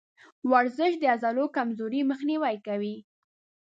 ورزش د عضلو کمزوري مخنیوی کوي.